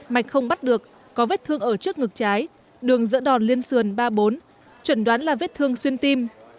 mạch không bắt được có vết thương ở trước ngực trái đường giữa đòn liên sườn ba bốn chuẩn đoán là vết thương xuyên tim